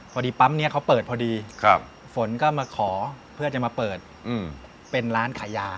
พอดีปั๊มนี้เขาเปิดพอดีฝนก็มาขอเพื่อจะมาเปิดเป็นร้านขายยา